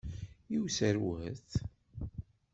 I userwet?